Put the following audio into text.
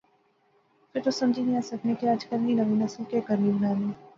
فہ تس سمجھی نیا سکنے کہ اجکل نی ناویں نسل کہہ کرنی بنانی